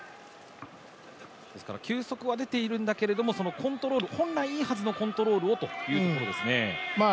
球速は出ているんだけれども本来いいはずのコントロールをということですね。